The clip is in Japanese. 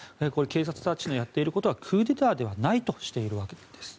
警察たちのやっていることはクーデターではないとしているわけなんです。